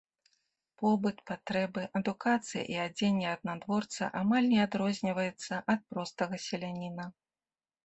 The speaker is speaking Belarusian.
Побыт, патрэбы, адукацыя і адзенне аднадворца амаль не адрозніваецца ад простага селяніна.